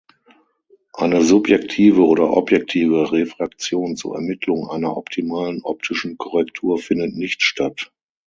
Eine subjektive oder objektive Refraktion zur Ermittlung einer optimalen optischen Korrektur findet nicht statt.